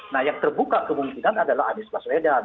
nah yang terbuka kemungkinan adalah anies baswedan